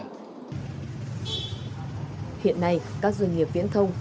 hiện nay các doanh nghiệp viễn thông